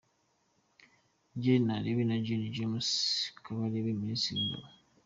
Gen Nabéré na Gen James Kabarebe Ministre w’Ingabo.